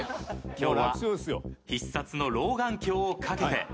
今日は必殺の老眼鏡をかけて